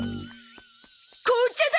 紅茶だ！